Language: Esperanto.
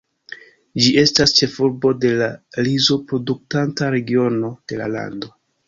Ĝi estas ĉefurbo de la rizo-produktanta regiono de la lando.